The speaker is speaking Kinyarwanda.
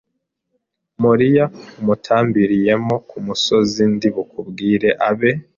Moriya umutambireyo ku musozi ndi bukubwire abe